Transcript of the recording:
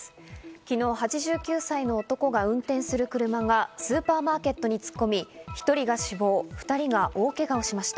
昨日、８９歳の男が運転する車がスーパーマーケットに突っ込み、１人が死亡、２人が大怪我をしました。